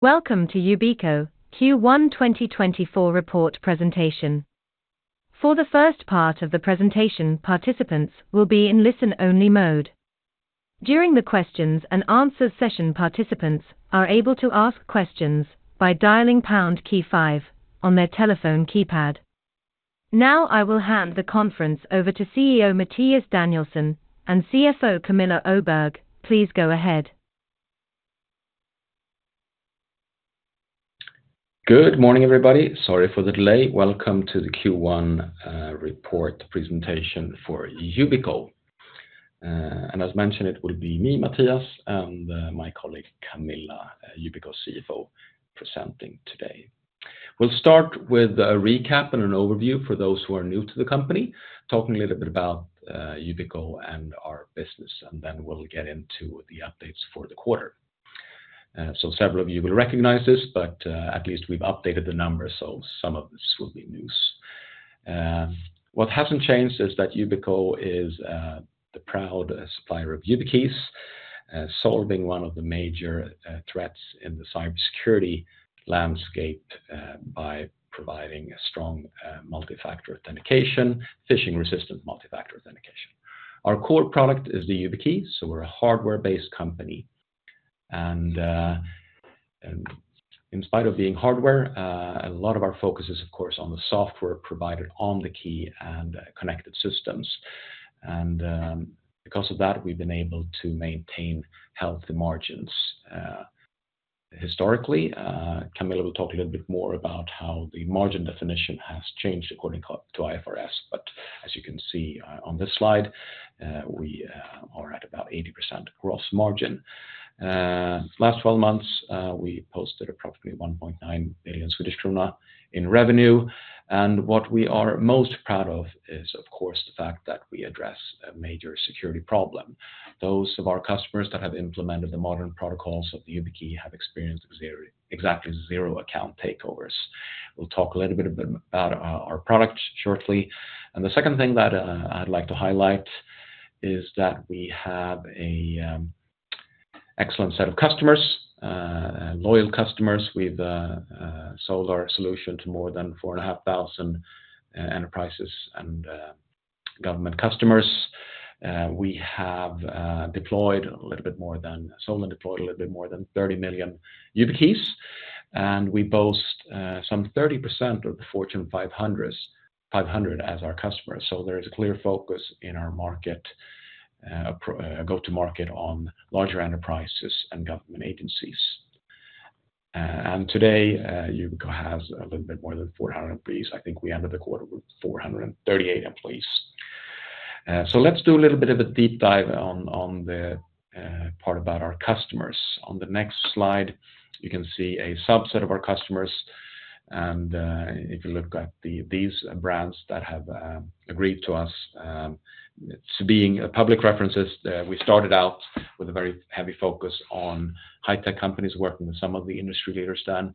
Welcome to Yubico Q1 2024 report presentation. For the first part of the presentation, participants will be in listen-only mode. During the question-and-answer session, participants are able to ask questions by dialing pound key five on their telephone keypad. Now, I will hand the conference over to CEO Mattias Danielsson and CFO Camilla Öberg. Please go ahead. Good morning, everybody. Sorry for the delay. Welcome to the Q1 report presentation for Yubico. As mentioned, it will be me, Mattias, and my colleague Camilla, Yubico CFO, presenting today. We'll start with a recap and an overview for those who are new to the company, talking a little bit about Yubico and our business, and then we'll get into the updates for the quarter. Several of you will recognize this, but at least we've updated the numbers, so some of this will be news. What hasn't changed is that Yubico is the proud supplier of YubiKeys, solving one of the major threats in the cybersecurity landscape, by providing a strong multi-factor authentication, phishing-resistant multi-factor authentication. Our core product is the YubiKey, so we're a hardware-based company. In spite of being hardware, a lot of our focus is, of course, on the software provided on the key and connected systems. Because of that, we've been able to maintain healthy margins, historically. Camilla will talk a little bit more about how the margin definition has changed according to IFRS. As you can see, on this slide, we are at about 80% gross margin. Last 12 months, we posted approximately 1.9 billion Swedish krona in revenue, and what we are most proud of is, of course, the fact that we address a major security problem. Those of our customers that have implemented the modern protocols of the YubiKey have experienced zero, exactly zero account takeovers. We'll talk a little bit about our product shortly. The second thing that I'd like to highlight is that we have an excellent set of customers and loyal customers. We've sold our solution to more than 4,500 enterprises and government customers. We have sold and deployed a little bit more than 30 million YubiKeys, and we boast some 30% of the Fortune 500 as our customers. So there is a clear focus in our market, our go-to-market on larger enterprises and government agencies. And today, Yubico has a little bit more than 400 employees. I think we ended the quarter with 438 employees. So let's do a little bit of a deep dive on the part about our customers. On the next slide, you can see a subset of our customers, and if you look at these brands that have agreed to us to being public references, we started out with a very heavy focus on high-tech companies working with some of the industry leaders then.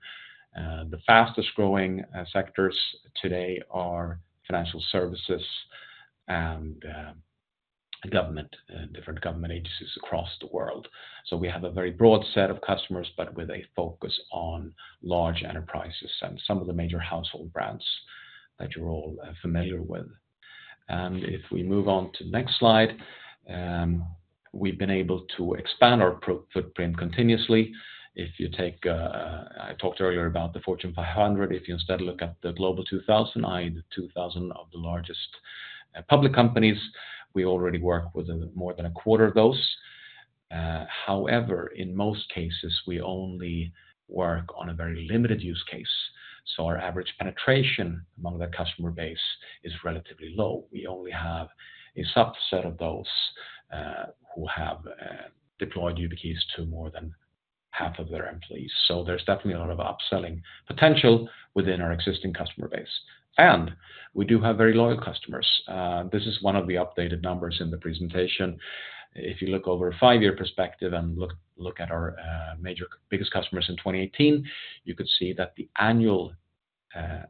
The fastest growing sectors today are financial services and government, different government agencies across the world. So we have a very broad set of customers, but with a focus on large enterprises and some of the major household brands that you're all familiar with. And if we move on to the next slide, we've been able to expand our product footprint continuously. If you take, I talked earlier about the Fortune 500. If you instead look at the Global 2000, i.e., the 2,000 of the largest public companies, we already work with more than a quarter of those. However, in most cases, we only work on a very limited use case, so our average penetration among that customer base is relatively low. We only have a subset of those who have deployed YubiKeys to more than half of their employees. So there's definitely a lot of upselling potential within our existing customer base, and we do have very loyal customers. This is one of the updated numbers in the presentation. If you look over a five-year perspective and look at our major, biggest customers in 2018, you could see that the annual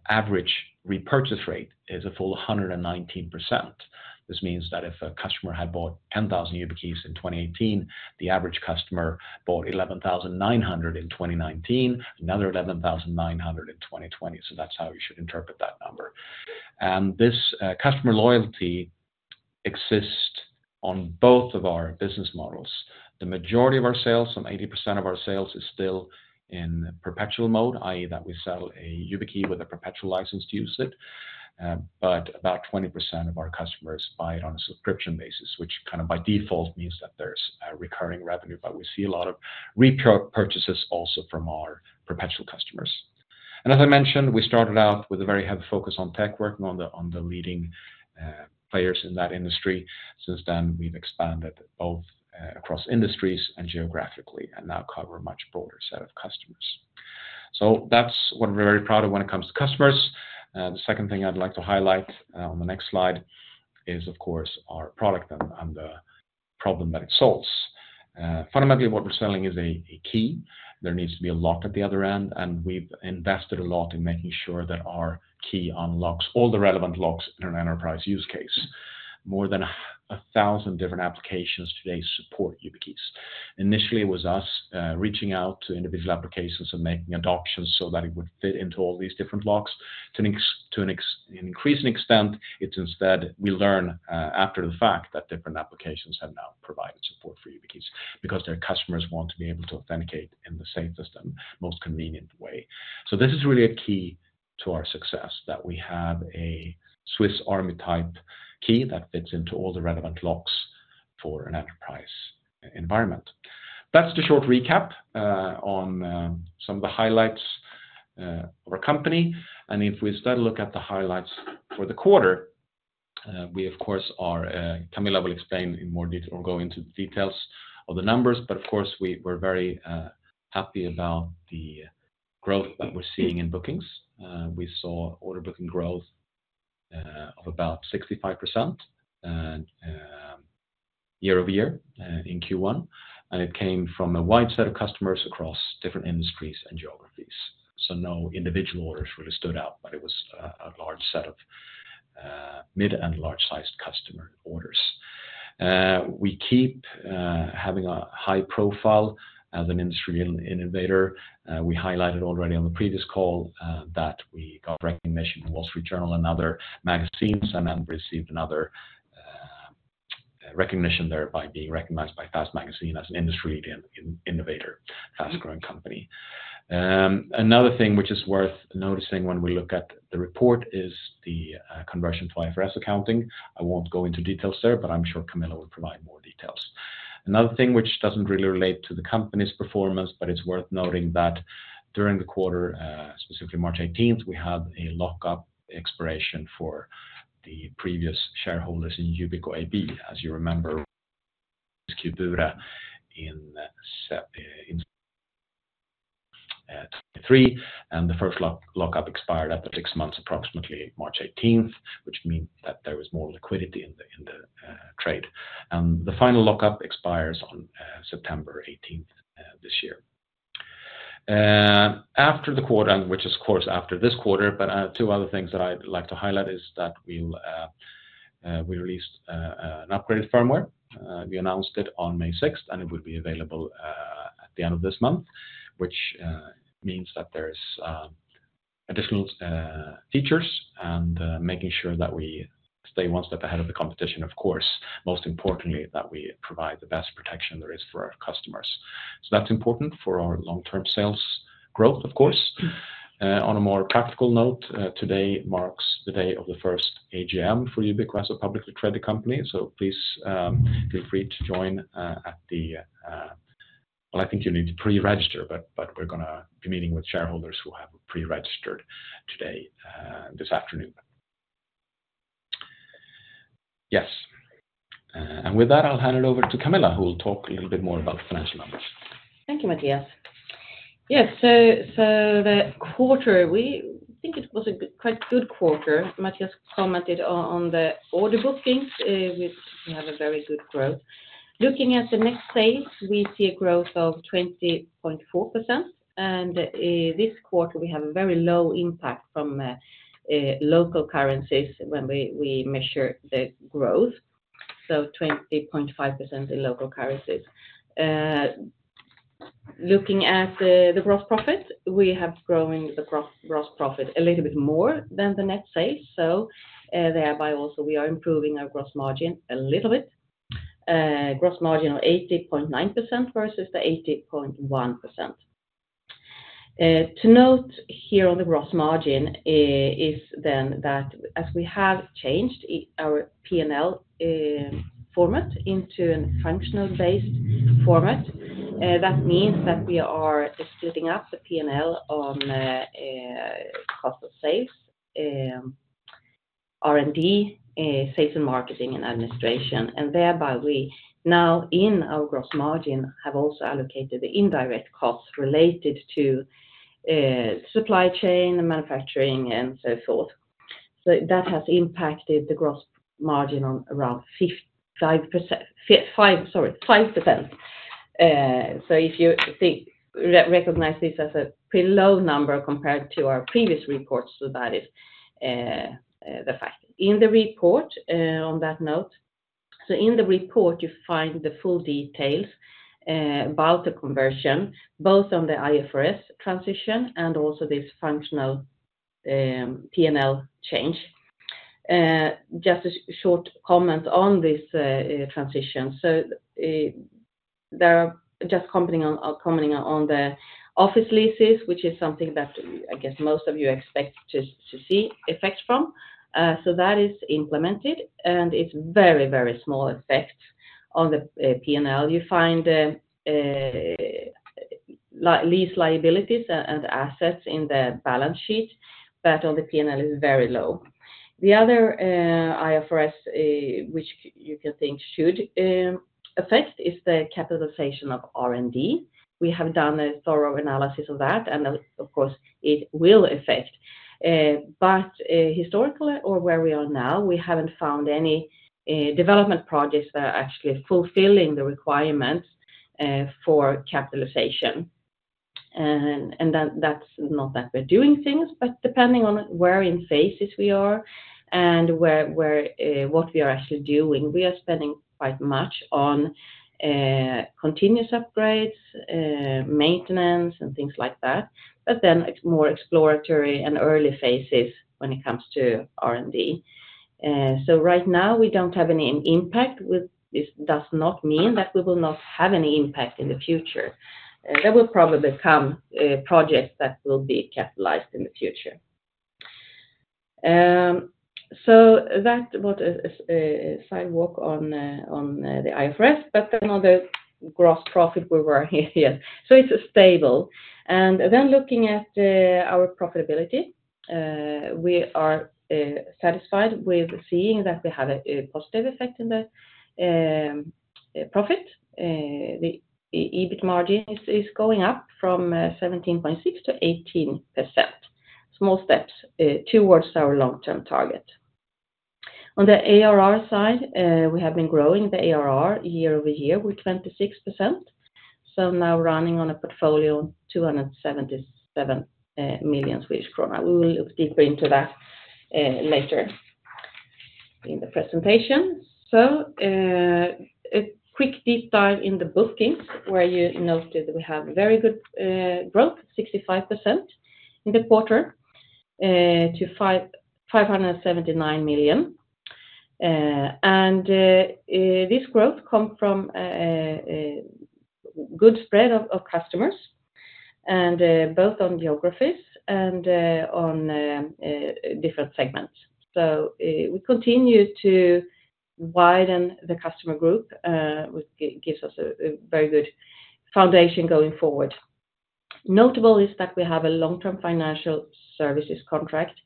average repurchase rate is a full 119%. This means that if a customer had bought 10,000 YubiKeys in 2018, the average customer bought 11,900 in 2019, another 11,900 in 2020. So that's how you should interpret that number. And this, customer loyalty exists on both of our business models. The majority of our sales, some 80% of our sales, is still in perpetual mode, i.e., that we sell a YubiKey with a perpetual license to use it. But about 20% of our customers buy it on a subscription basis, which kinda by default means that there's a recurring revenue, but we see a lot of repurchases also from our perpetual customers. And as I mentioned, we started out with a very heavy focus on tech, working on the leading players in that industry. Since then, we've expanded both across industries and geographically, and now cover a much broader set of customers. So that's what we're very proud of when it comes to customers. The second thing I'd like to highlight on the next slide is, of course, our product and the problem that it solves. Fundamentally, what we're selling is a key. There needs to be a lock at the other end, and we've invested a lot in making sure that our key unlocks all the relevant locks in an enterprise use case,. more than 1,000 different applications today support YubiKeys. Initially, it was us reaching out to individual applications and making adoptions so that it would fit into all these different locks. To an increasing extent, it's instead we learn after the fact that different applications have now provided support for YubiKeys because their customers want to be able to authenticate in the same system, most convenient way. So this is really a key to our success, that we have a Swiss Army type key that fits into all the relevant locks for an enterprise environment. That's the short recap on some of the highlights of our company. And if we then look at the highlights for the quarter, we, of course, are, Camilla will explain in more detail or go into the details of the numbers, but of course, we're very happy about the growth that we're seeing in bookings. We saw order booking growth of about 65%, year-over-year in Q1, and it came from a wide set of customers across different industries and geographies. So no individual orders really stood out, but it was a large set of mid and large-sized customer orders. We keep having a high profile as an industry innovator. We highlighted already on the previous call that we got recognition in Wall Street Journal other magazines, and then received another recognition, thereby being recognized by Fast Company as an industry innovator, fast-growing company. Another thing which is worth noticing when we look at the report is the conversion to IFRS accounting. I won't go into details there, but I'm sure Camilla will provide more details. Another thing which doesn't really relate to the company's performance, but it's worth noting that during the quarter, specifically March 18th, we had a lockup expiration for the previous shareholders in Yubico AB. As you remember, ACQ Bure in September, in 2023, and the first lockup expired after six months, approximately March 18th, which means that there is more liquidity in the, in the trade. And the final lockup expires on September 18th this year. After the quarter, which is, of course, after this quarter, but two other things that I'd like to highlight is that we released an upgraded firmware. We announced it on May 6th, and it will be available at the end of this month, which means that there's additional features and making sure that we stay one step ahead of the competition, of course, most importantly, that we provide the best protection there is for our customers. So that's important for our long-term sales growth, of course. On a more practical note, today marks the day of the first AGM for Yubico as a publicly traded company. So please feel free to join. Well, I think you need to pre-register, but, but we're gonna be meeting with shareholders who have pre-registered today, this afternoon. Yes. And with that, I'll hand it over to Camilla, who will talk a little bit more about the financial numbers. Thank you, Mattias. Yes, so the quarter, we think it was a quite good quarter. Mattias commented on the order bookings, we have a very good growth. Looking at the next phase, we see a growth of 20.4%, and this quarter, we have a very low impact from local currencies when we measure the growth, so 20.5% in local currencies. Looking at the gross profit, we have growing the gross profit a little bit more than the net sales, so thereby also we are improving our gross margin a little bit. Gross margin of 80.9% versus the 80.1%. To note here on the gross margin is then that as we have changed our P&L format into a functional based format, that means that we are splitting up the P&L on cost of sales, R&D, sales and marketing, and administration. And thereby, we now in our gross margin have also allocated the indirect costs related to supply chain, manufacturing, and so forth. So that has impacted the gross margin on around 5%. So if you think recognize this as a pretty low number compared to our previous reports, so that is the fact. In the report, on that note, so in the report, you find the full details about the conversion, both on the IFRS transition and also this functional P&L change. Just a short comment on this transition. So, there are just commenting on the office leases, which is something that, I guess, most of you expect to see effects from. So that is implemented, and it's very, very small effect on the P&L. You find lease liabilities and assets in the balance sheet, but on the P&L, it's very low. The other IFRS which you can think should affect is the capitalization of R&D. We have done a thorough analysis of that, and of course, it will affect. But historically or where we are now, we haven't found any development projects that are actually fulfilling the requirements for capitalization,. That's not that we're doing things, but depending on where in phases we are and where, where, what we are actually doing, we are spending quite much on continuous upgrades, maintenance and things like that. But then it's more exploratory and early phases when it comes to R&D. So right now, we don't have any impact. This does not mean that we will not have any impact in the future. So there will probably come projects that will be capitalized in the future. So that was a side note on the IFRS, but on the gross profit where we are here. So it's stable. And then looking at our profitability, we are satisfied with seeing that we have a positive effect in the profit. The EBIT margin is going up from 17.6%-18%. Small steps towards our long-term target. On the ARR side, we have been growing the ARR year-over-year with 26%, so now running on a portfolio, 277 million Swedish krona. We will look deeper into that later in the presentation. A quick deep dive in the bookings, where you noted that we have very good growth, 65% in the quarter to 579 million. And this growth come from a good spread of customers, and both on geographies and on different segments. We continue to widen the customer group, which gives us a very good foundation going forward. Notable is that we have a long-term financial services contract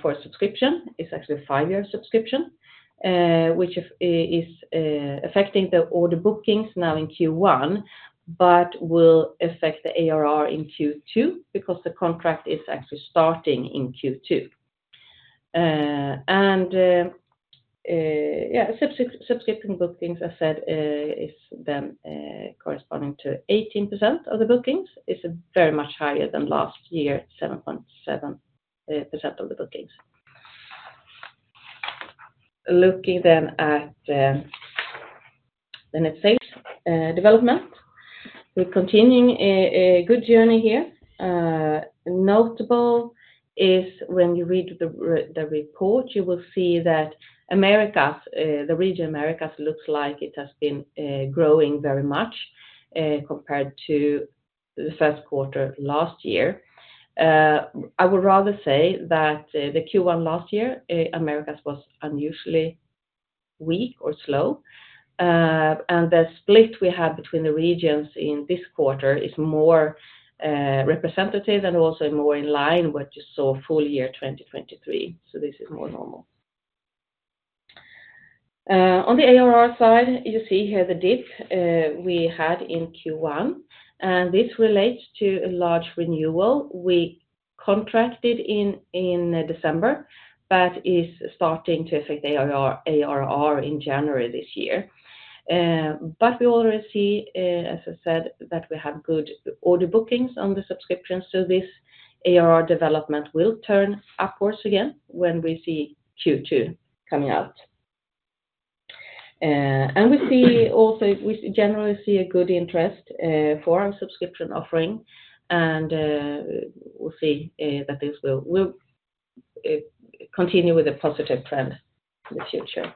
for a subscription. It's actually a five-year subscription, which is affecting the order bookings now in Q1, but will affect the ARR in Q2, because the contract is actually starting in Q2. And yeah, subscription bookings, I said, is then corresponding to 18% of the bookings, is very much higher than last year, 7.7% of the bookings. Looking then at the net sales development. We're continuing a good journey here. Notable is when you read the report, you will see that Americas, the region Americas, looks like it has been growing very much compared to the first quarter last year. I would rather say that the Q1 last year, Americas was unusually weak or slow. And the split we have between the regions in this quarter is more representative and also more in line with what you saw full year 2023, so this is more normal. On the ARR side, you see here the dip we had in Q1, and this relates to a large renewal we contracted in December, but is starting to affect ARR in January this year. But we already see, as I said, that we have good order bookings on the subscription, so this ARR development will turn upwards again when we see Q2 coming out. And we see also, we generally see a good interest for our subscription offering, and, we'll see, that this will continue with a positive trend in the future.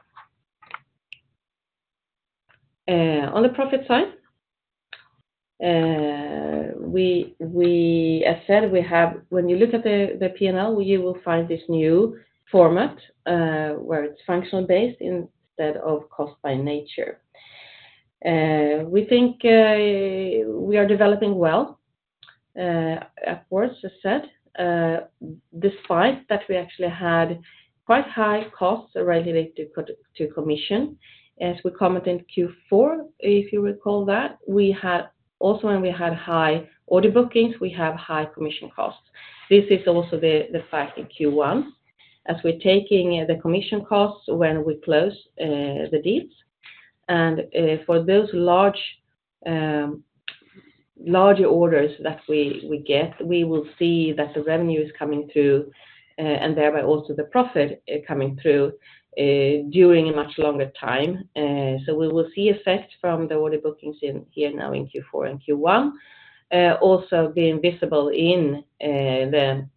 On the profit side, we, as said, we have, when you look at the P&L, you will find this new format, where it's functional based instead of cost by nature. We think, we are developing well, upwards, as said, despite that we actually had quite high costs related to commission. As we commented in Q4, if you recall that, we had, also, when we had high order bookings, we have high commission costs. This is also the fact in Q1, as we're taking, the commission costs when we close the deals. For those large, larger orders that we get, we will see that the revenue is coming through, and thereby also the profit coming through, during a much longer time. So we will see effect from the order bookings in here now in Q4 and Q1, also being visible in the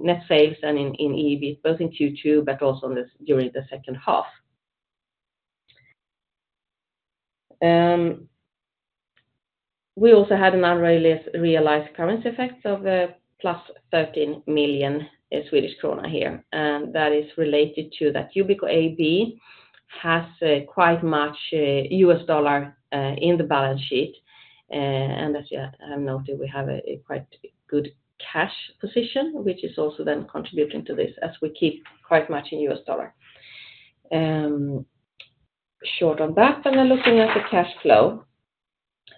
net sales and in EBIT, both in Q2, but also during the second half. We also had an unrealized currency effect of +13 million Swedish krona here, and that is related to that Yubico AB has quite much U.S. dollar in the balance sheet. As you have noted, we have a quite good cash position, which is also then contributing to this, as we keep quite much in U.S. dollar. Short on that, and then looking at the cash flow.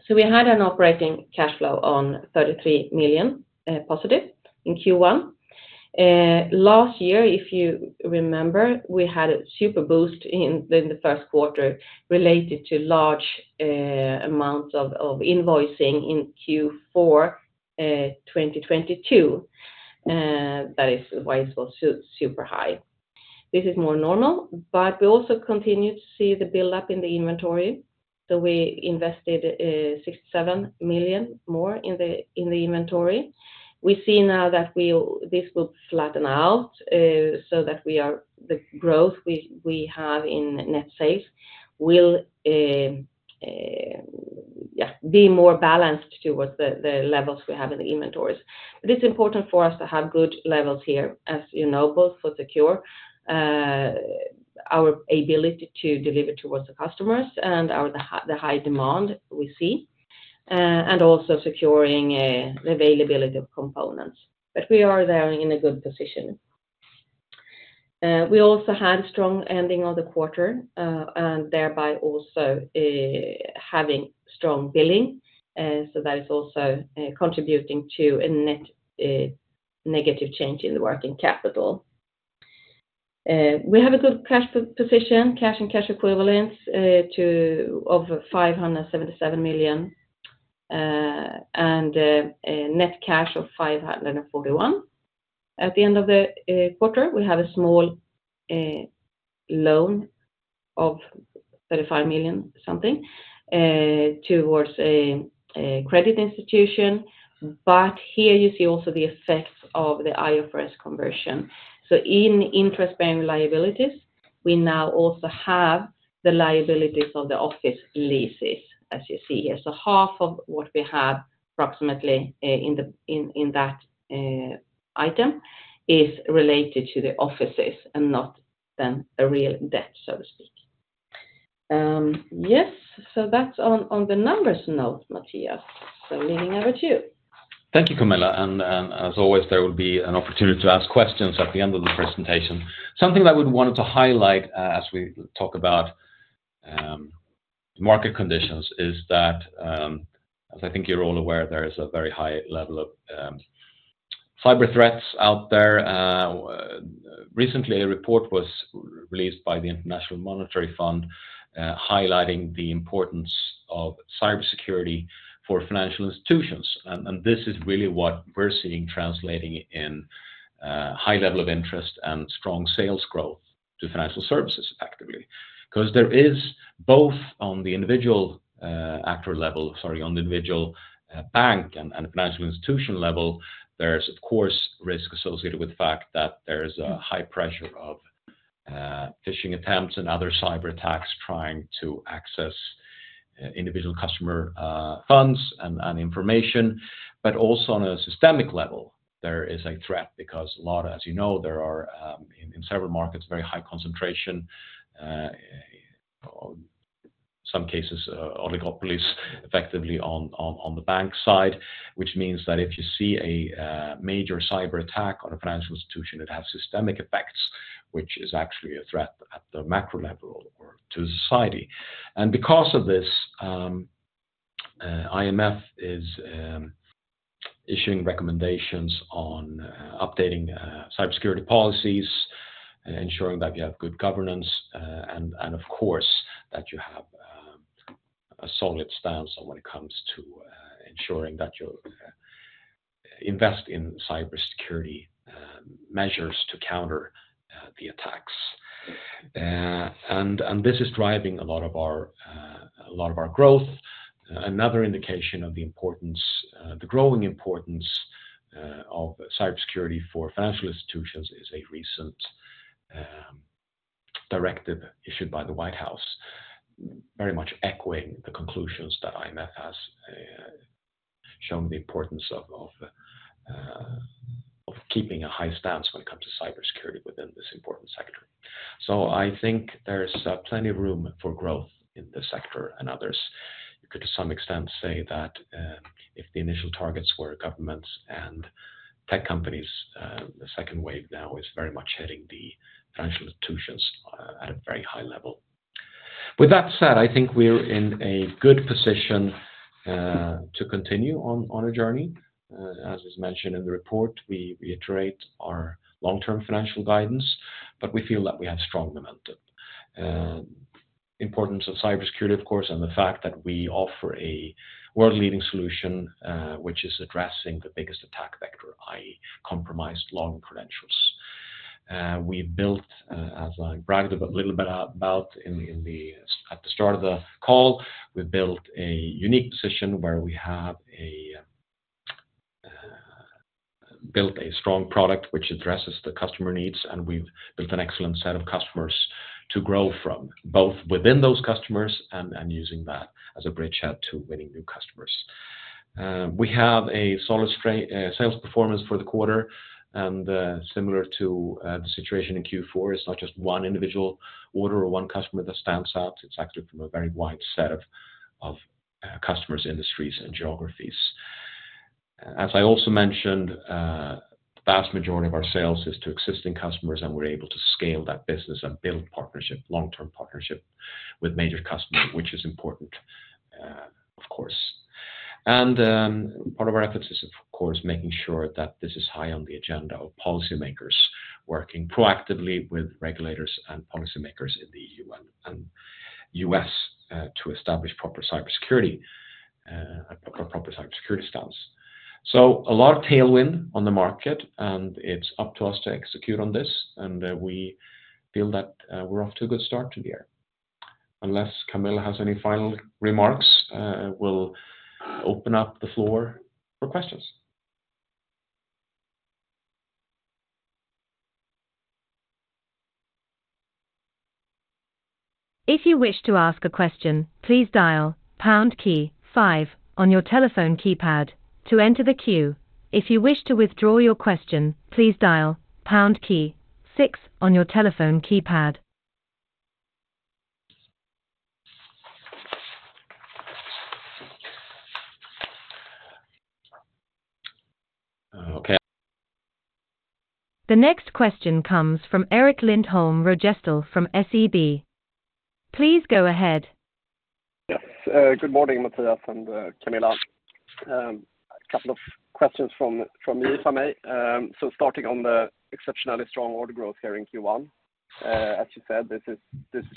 So we had an operating cash flow of 33 million positive in Q1. Last year, if you remember, we had a super boost in the first quarter related to large amounts of invoicing in Q4 2022. That is why it was so super high. This is more normal, but we also continue to see the buildup in the inventory. So we invested 67 million more in the inventory. We see now that we'll—this will flatten out, so that we are, the growth we have in net sales will, yeah, be more balanced towards the levels we have in the inventories. But it's important for us to have good levels here, as you know, both for securing our ability to deliver towards the customers and our high demand we see, and also securing the availability of components. But we are there in a good position. We also had a strong ending of the quarter, and thereby also having strong billing. So that is also contributing to a net negative change in the working capital. We have a good cash position, cash and cash equivalents of over 577 million, and a net cash of 541 million. At the end of the quarter, we have a small loan of 35 million towards a credit institution, but here you see also the effects of the IFRS conversion. So in interest-bearing liabilities, we now also have the liabilities of the office leases, as you see here. So half of what we have, approximately, in that item, is related to the offices and not then a real debt, so to speak. Yes, so that's on the numbers note, Mattias, so leaning over to you. Thank you, Camilla, and as always, there will be an opportunity to ask questions at the end of the presentation. Something I would wanted to highlight as we talk about market conditions is that, as I think you're all aware, there is a very high level of cyber threats out there. Recently, a report was released by the International Monetary Fund, highlighting the importance of cybersecurity for financial institutions. And this is really what we're seeing translating in high level of interest and strong sales growth to financial services, effectively. Because there is both on the individual bank and financial institution level, there's, of course, risk associated with the fact that there is a high pressure of phishing attempts and other cyberattacks trying to access individual customer funds and information. But also on a systemic level, there is a threat, because, as you know, there are in several markets very high concentration, some cases, oligopolies effectively on the bank side, which means that if you see a major cyberattack on a financial institution, it has systemic effects, which is actually a threat at the macro level or to society. And because of this, IMF is issuing recommendations on updating cybersecurity policies, ensuring that you have good governance, and of course, that you have a solid stance on when it comes to ensuring that you invest in cybersecurity measures to counter the attacks. And this is driving a lot of our growth. Another indication of the importance, the growing importance, of cybersecurity for financial institutions is a recent directive issued by the White House, very much echoing the conclusions that IMF has shown the importance of keeping a high stance when it comes to cybersecurity within this important sector. So I think there is plenty of room for growth in this sector and others. You could, to some extent, say that, if the initial targets were governments and tech companies, the second wave now is very much hitting the financial institutions, at a very high level. With that said, I think we're in a good position to continue on our journey. As is mentioned in the report, we reiterate our long-term financial guidance, but we feel that we have strong momentum. Importance of cybersecurity, of course, and the fact that we offer a world-leading solution, which is addressing the biggest attack vector, i.e., compromised logon credentials. We built, as I bragged a little bit about at the start of the call, we built a unique position where we have built a strong product which addresses the customer needs, and we've built an excellent set of customers to grow from, both within those customers and using that as a bridgehead to winning new customers. We have a solid sales performance for the quarter, and similar to the situation in Q4, it's not just one individual order or one customer that stands out, it's actually from a very wide set of customers, industries, and geographies. As I also mentioned, the vast majority of our sales is to existing customers, and we're able to scale that business and build partnership, long-term partnership with major customers, which is important, of course,. Part of our efforts is, of course, making sure that this is high on the agenda of policymakers, working proactively with regulators and policymakers in the EU and U.S., to establish proper cybersecurity, a proper cybersecurity stance. So a lot of tailwind on the market, and it's up to us to execute on this, and we feel that, we're off to a good start to the year. Unless Camilla has any final remarks, we'll open up the floor for questions. If you wish to ask a question, please dial pound key five on your telephone keypad to enter the queue. If you wish to withdraw your question, please dial pound key six on your telephone keypad. Okay. The next question comes from Erik Lindholm-Röjestål from SEB. Please go ahead. Yes, good morning, Mattias and Camilla. A couple of questions from me, if I may. So starting on the exceptionally strong order growth here in Q1. As you said, this is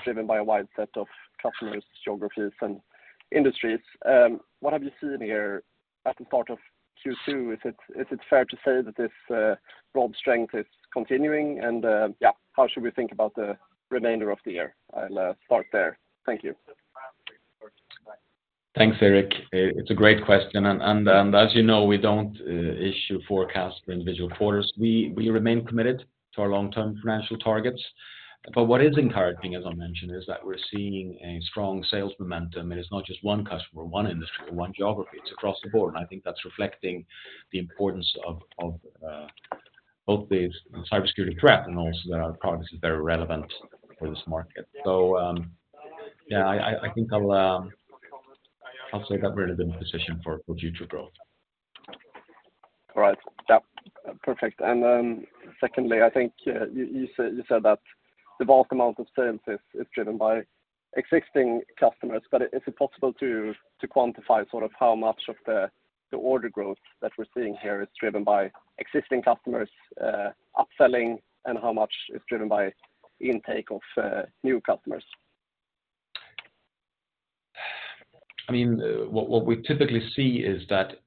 driven by a wide set of customers, geographies, and industries. What have you seen here at the start of Q2? Is it fair to say that this broad strength is continuing? And yeah, how should we think about the remainder of the year? I'll start there. Thank you. Thanks, Erik. It's a great question, and as you know, we don't issue forecasts for individual quarters. We remain committed to our long-term financial targets. But what is encouraging, as I mentioned, is that we're seeing a strong sales momentum, and it's not just one customer, one industry, or one geography, it's across the board. I think that's reflecting the importance of both the cybersecurity threat and also that our product is very relevant for this market. So, yeah, I think I'll say we've got really good position for future growth. All right. Yeah, perfect. And, secondly, I think, you, you said, you said that the vast amount of sales is, is driven by existing customers, but is it possible to, to quantify sort of how much of the, the order growth that we're seeing here is driven by existing customers, upselling, and how much is driven by intake of, new customers? I mean, what, what we typically see is that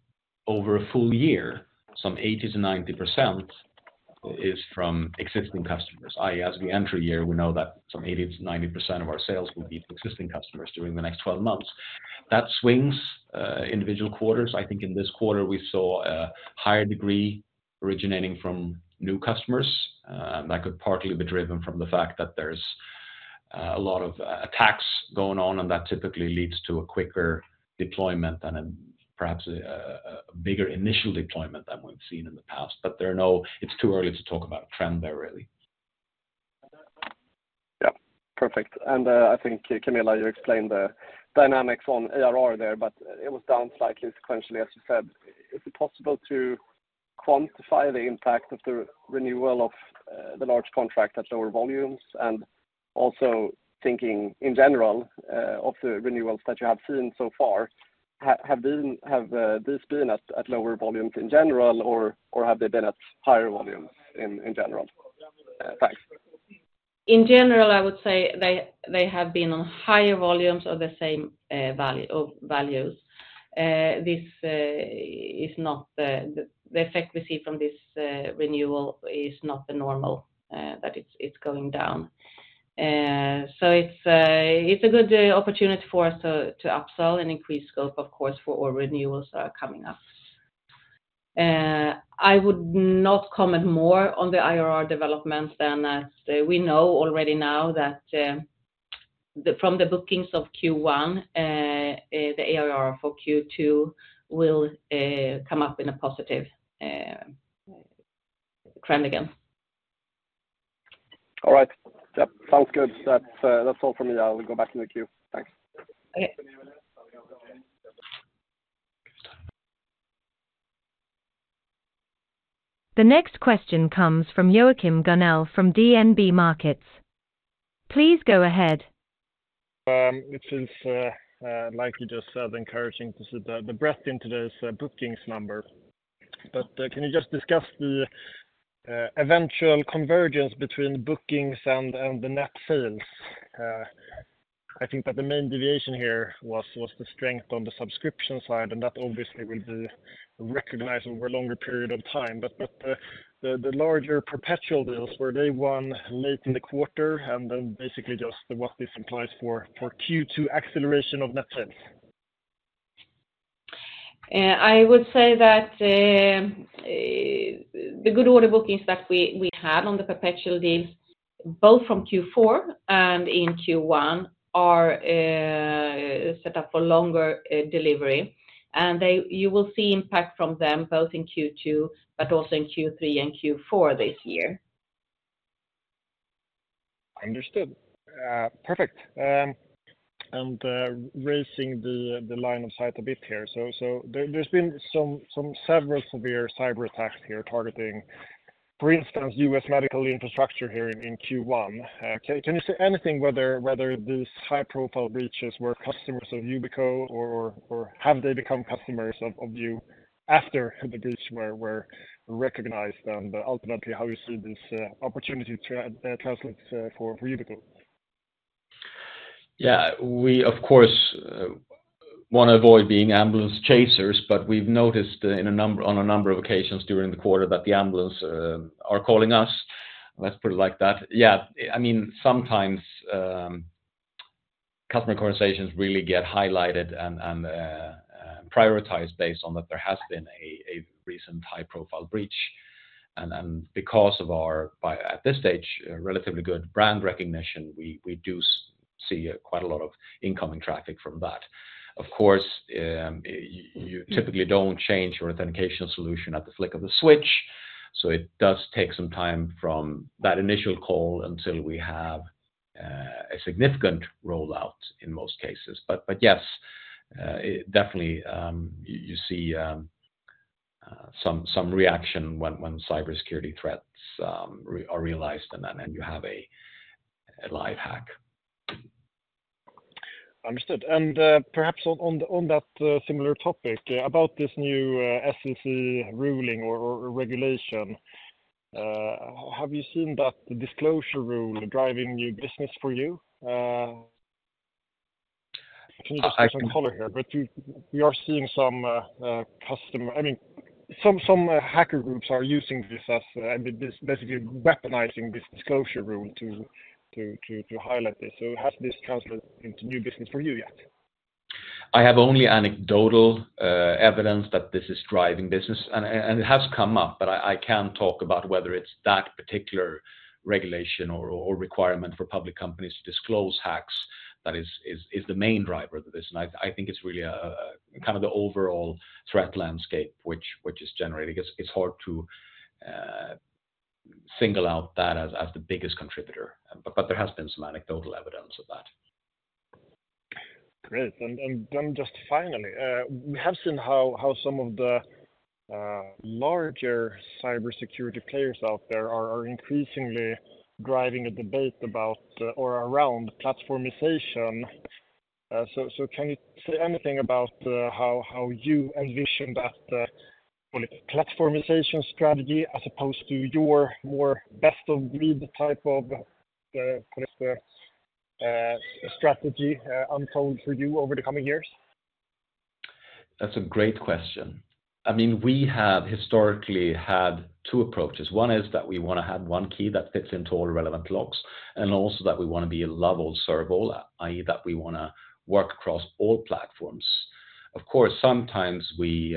over a full year, some 80%-90% is from existing customers, i.e., as we enter a year, we know that some 80%-90% of our sales will be existing customers during the next 12 months. That swings individual quarters. I think in this quarter, we saw a higher degree originating from new customers, and that could partly be driven from the fact that there's a lot of attacks going on, and that typically leads to a quicker deployment than an perhaps a bigger initial deployment than we've seen in the past. But there are no, it's too early to talk about a trend there, really. Yeah, perfect. And, I think, Camilla, you explained the dynamics on ARR there, but it was down slightly sequentially, as you said. Is it possible to quantify the impact of the renewal of the large contract at lower volumes? And also thinking in general of the renewals that you have seen so far, have they been at lower volumes in general, or have they been at higher volumes in general? Thanks. In general, I would say they, they have been on higher volumes of the same value of values. This is not the effect we see from this renewal. It is not the normal that it's going down. So it's a good opportunity for us to upsell and increase scope, of course, for all renewals are coming up. I would not comment more on the ARR developments than as we know already now that from the bookings of Q1, the ARR for Q2 will come up in a positive trend again. All right. Yep, sounds good. That's, that's all for me. I'll go back in the queue. Thanks. Okay. The next question comes from Joachim Gunell from DNB Markets. Please go ahead. It is, like you just said, encouraging to see the breadth into this bookings number. But, can you just discuss the eventual convergence between bookings and the net sales? I think that the main deviation here was the strength on the subscription side, and that obviously will be recognized over a longer period of time. But, the larger perpetual deals, were they won late in the quarter, and then basically just what this implies for Q2 acceleration of net sales? I would say that, the good order bookings that we had on the perpetual deals, both from Q4 and in Q1, are set up for longer delivery. And they, you will see impact from them both in Q2, but also in Q3 and Q4 this year. Understood. Perfect. And raising the line of sight a bit here. So there, there's been some several severe cyber attacks here targeting, for instance, U.S. medical infrastructure here in Q1. Can you say anything whether these high-profile breaches were customers of Yubico, or have they become customers of you after the breach were recognized? And ultimately, how you see this opportunity to translate for Yubico. Yeah, we, of course, wanna avoid being ambulance chasers, but we've noticed in a number—on a number of occasions during the quarter, that the ambulance are calling us. Let's put it like that. Yeah, I mean, sometimes, customer conversations really get highlighted and prioritized based on that there has been a recent high-profile breach. And because of our, by at this stage, a relatively good brand recognition, we do see quite a lot of incoming traffic from that. Of course, you typically don't change your authentication solution at the flick of a switch, so it does take some time from that initial call until we have a significant rollout in most cases. But yes, it definitely, you see, some reaction when Cybersecurity threats are realized, and then you have a live hack. Understood. And perhaps on that similar topic, about this new SEC ruling or regulation, have you seen that disclosure rule driving new business for you? Can you just give some color here? But you-- we are seeing some custom-- I mean, some hacker groups are using this as, basically, weaponizing this disclosure rule to highlight this. So has this translated into new business for you yet? I have only anecdotal evidence that this is driving business, and it has come up, but I can't talk about whether it's that particular regulation or requirement for public companies to disclose hacks, that is the main driver to this. I think it's really kind of the overall threat landscape which is generating. It's hard to single out that as the biggest contributor, but there has been some anecdotal evidence of that. Great. And then just finally, we have seen how some of the larger cybersecurity players out there are increasingly driving a debate about or around platformization. So, can you say anything about how you envision that, call it, platformization strategy, as opposed to your more best-of-breed type of, call it, strategy in store for you over the coming years? That's a great question. I mean, we have historically had two approaches. One is that we wanna have one key that fits into all relevant locks, and also that we wanna be a love all, serve all, i.e., that we wanna work across all platforms. Of course, sometimes we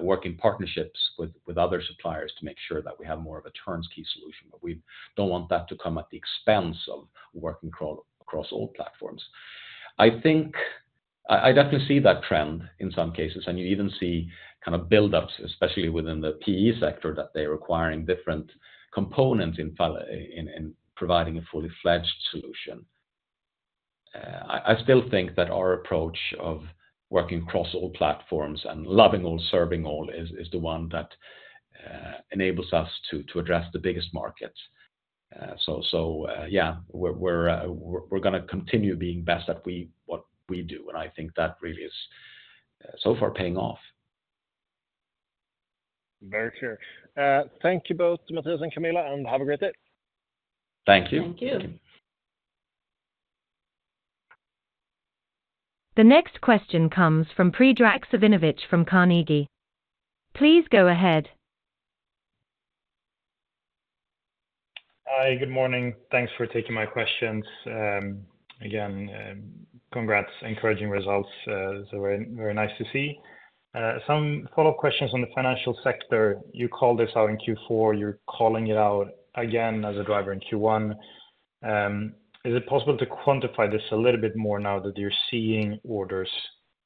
work in partnerships with other suppliers to make sure that we have more of a turnkey solution, but we don't want that to come at the expense of working across all platforms. I think I definitely see that trend in some cases, and you even see kind of buildups, especially within the PE sector, that they're requiring different components in providing a fully fledged solution. I still think that our approach of working across all platforms and loving all, serving all is the one that enables us to address the biggest markets. So, yeah, we're gonna continue being best at what we do, and I think that really is so far paying off. Very sure. Thank you both, Mattias and Camilla, and have a great day. Thank you. Thank you. The next question comes from Predrag Savinovic from Carnegie. Please go ahead. Hi, good morning. Thanks for taking my questions. Again, congrats, encouraging results, so very, very nice to see. Some follow-up questions on the financial sector. You called this out in Q4, you're calling it out again as a driver in Q1. Is it possible to quantify this a little bit more now that you're seeing orders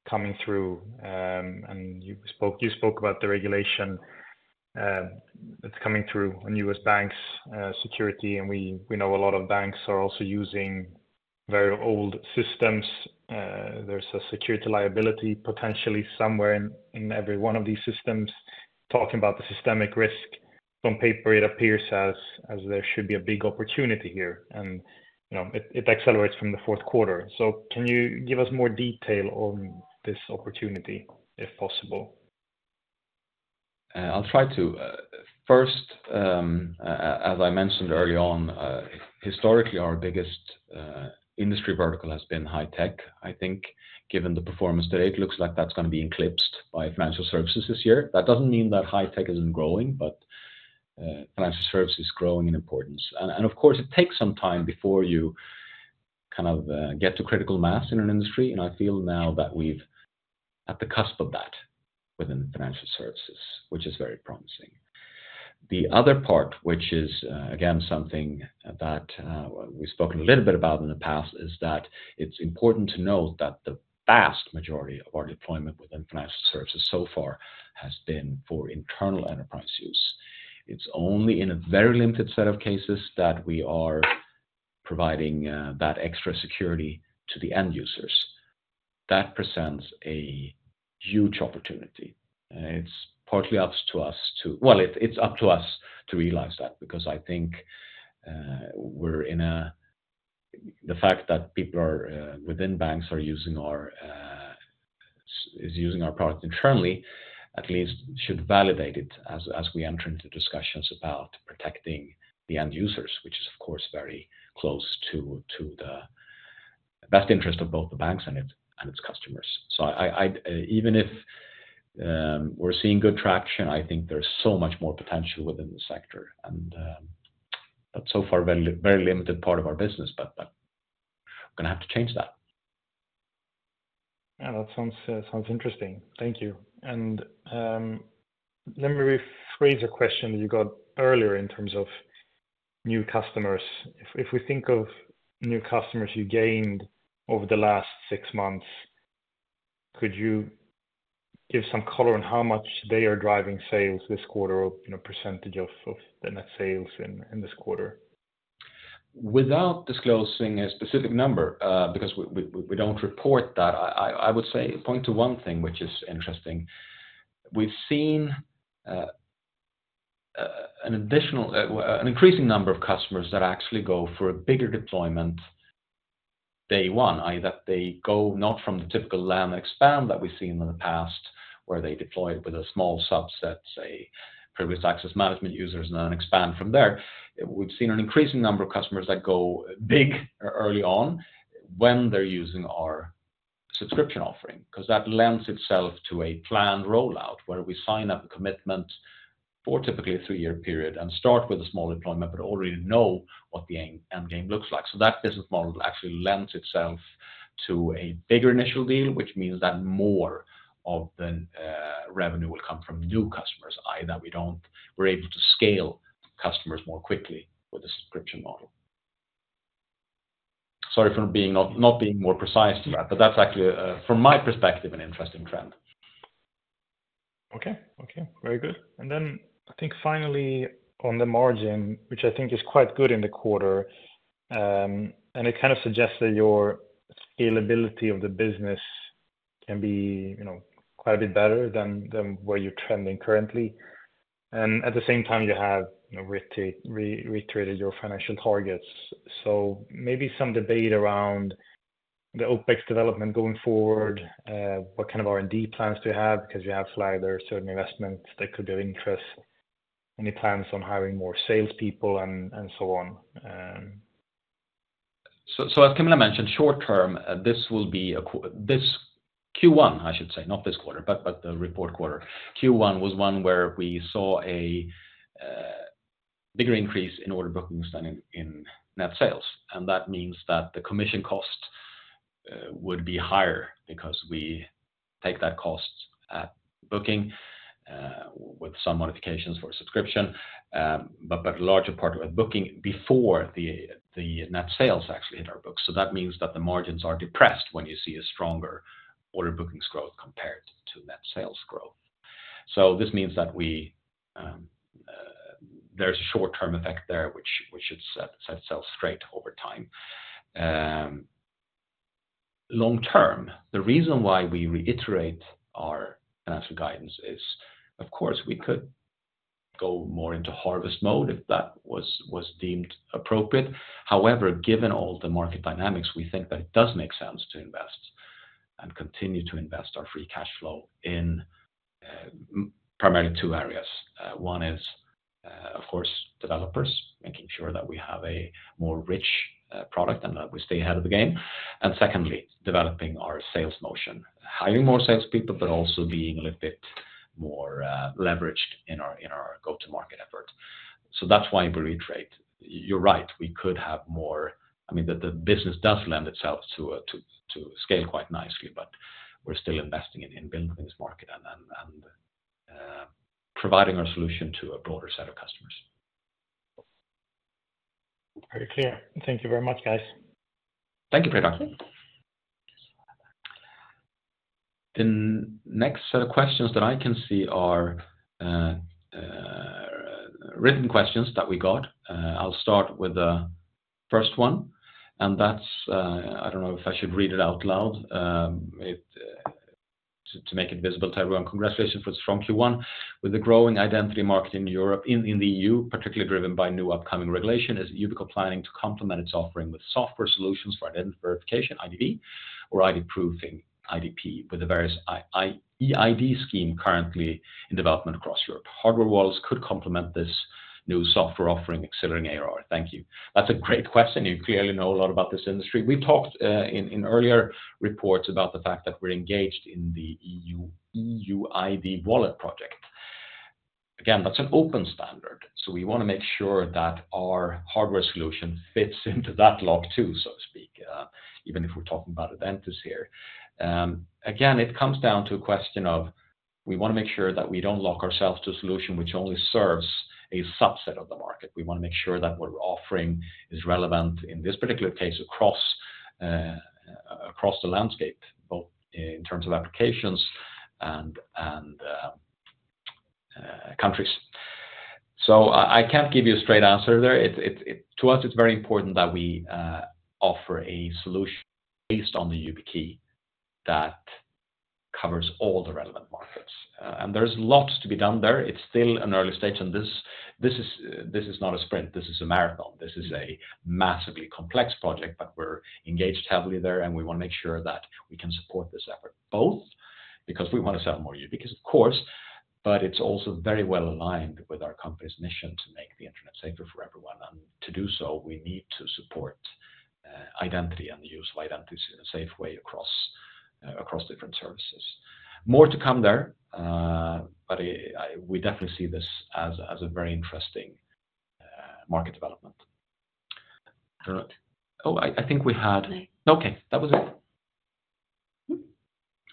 coming through? And you spoke, you spoke about the regulation, that's coming through on U.S. banks, security, and we, we know a lot of banks are also using very old systems. There's a security liability potentially somewhere in, in every one of these systems. Talking about the systemic risk, on paper, it appears as, as there should be a big opportunity here, and, you know, it, it accelerates from the fourth quarter. So can you give us more detail on this opportunity, if possible? I'll try to. First, as I mentioned early on, historically, our biggest industry vertical has been high tech. I think, given the performance today, it looks like that's gonna be eclipsed by financial services this year. That doesn't mean that high tech isn't growing, but financial service is growing in importance. And of course, it takes some time before you kind of get to critical mass in an industry, and I feel now that we're at the cusp of that within financial services, which is very promising. The other part, which is again something that we've spoken a little bit about in the past, is that it's important to note that the vast majority of our deployment within financial services so far has been for internal enterprise use. It's only in a very limited set of cases that we are providing that extra security to the end users,. That presents a huge opportunity, and it's partly up to us to, well, it's up to us to realize that, because I think we're in a. The fact that people are within banks are using our is using our product internally, at least should validate it as, as we enter into discussions about protecting the end users, which is, of course, very close to, to the best interest of both the banks and its, and its customers. So, even if we're seeing good traction, I think there's so much more potential within the sector, and that's so far a very, very limited part of our business, but, but we're gonna have to change that. Yeah, that sounds interesting. Thank you. Let me rephrase a question you got earlier in terms of new customers. If we think of new customers you gained over the last six months, could you give some color on how much they are driving sales this quarter or, you know, percentage of the net sales in this quarter? Without disclosing a specific number, because we don't report that, I would say point to one thing, which is interesting. We've seen an additional increasing number of customers that actually go for a bigger deployment day one, either they go not from the typical land expand that we've seen in the past, where they deploy it with a small subset, say, privileged access management users, and then expand from there. We've seen an increasing number of customers that go big early on when they're using our subscription offering, 'cause that lends itself to a planned rollout, where we sign up a commitment for typically a three-year period and start with a small deployment, but already know what the end game looks like. So that business model actually lends itself to a bigger initial deal, which means that more of the revenue will come from new customers, we're able to scale customers more quickly with the subscription model. Sorry for not being more precise to that, but that's actually from my perspective, an interesting trend. Okay. Okay, very good. And then I think finally, on the margin, which I think is quite good in the quarter, and it kind of suggests that your scalability of the business can be, you know, quite a bit better than where you're trending currently. And at the same time, you have, you know, reiterated your financial targets. So maybe some debate around the OpEx development going forward, what kind of R&D plans do you have? Because you have flagged there are certain investments that could be of interest. Any plans on hiring more salespeople and so on? So as Camilla mentioned, short term, this will be a—this Q1, I should say, not this quarter, but the report quarter. Q1 was one where we saw a bigger increase in order bookings than in net sales, and that means that the commission cost would be higher because we take that cost at booking, with some modifications for subscription, but larger part of a booking before the net sales actually hit our books. So that means that the margins are depressed when you see a stronger order bookings growth compared to net sales growth. So this means that we, there's a short-term effect there, which should set itself straight over time. Long term, the reason why we reiterate our financial guidance is, of course, we could go more into harvest mode if that was deemed appropriate. However, given all the market dynamics, we think that it does make sense to invest and continue to invest our free cash flow in primarily two areas. One is, of course, developers, making sure that we have a more rich product and that we stay ahead of the game. And secondly, developing our sales motion, hiring more salespeople, but also being a little bit more leveraged in our go-to-market effort. So that's why we reiterate. You're right, we could have more, I mean, the business does lend itself to scale quite nicely, but we're still investing in building this market and providing our solution to a broader set of customers. Very clear. Thank you very much, guys. Thank you, Predrag. Thank you. The next set of questions that I can see are written questions that we got. I'll start with the first one, and that's I don't know if I should read it out loud to make it visible to everyone. "Congratulations for the strong Q1. With the growing identity market in Europe, in the EU, particularly driven by new upcoming regulation, is Yubico planning to complement its offering with software solutions for identity verification, IDV, or ID proofing, IDP, with the various eID scheme currently in development across Europe? hardware wallets could complement this new software offering, accelerating ARR. Thank you." That's a great question. You clearly know a lot about this industry. We talked in earlier reports about the fact that we're engaged in the EU eID wallet project. Again, that's an open standard, so we wanna make sure that our hardware solution fits into that lock, too, so to speak, even if we're talking about identity here. Again, it comes down to a question of, we wanna make sure that we don't lock ourselves to a solution which only serves a subset of the market. We wanna make sure that what we're offering is relevant, in this particular case, across the landscape, both in terms of applications and countries. So I can't give you a straight answer there. It, to us, it's very important that we offer a solution based on the YubiKey that covers all the relevant markets. And there's lots to be done there. It's still an early stage, and this is not a sprint, this is a marathon. This is a massively complex project, but we're engaged heavily there, and we wanna make sure that we can support this effort, both because we wanna sell more YubiKeys, of course, but it's also very well aligned with our company's mission to make the internet safer for everyone. And to do so, we need to support identity and the use of identities in a safe way across across different services. More to come there, but we definitely see this as a very interesting market development. All right. Oh, I think we had- No. Okay, that was it. Mm-hmm.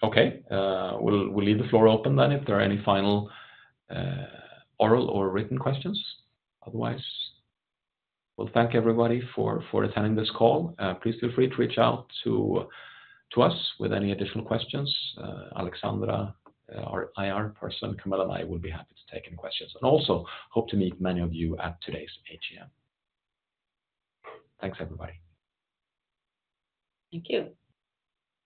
Okay, we'll, we'll leave the floor open then, if there are any final, oral or written questions. Otherwise, well, thank everybody for, for attending this call. Please feel free to reach out to, to us with any additional questions. Alexandra, our IR person, Camilla, and I would be happy to take any questions, and also hope to meet many of you at today's AGM. Thanks, everybody. Thank you.